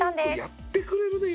「やってくれるね！